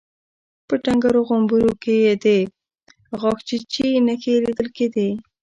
په ډنګرو غومبرو کې يې د غاښچيچي نښې ليدل کېدې.